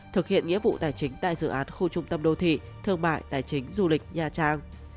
thực hiện nghĩa vụ tài chính tại dự án khu trung tâm đô thị thương mại tài chính du lịch nha trang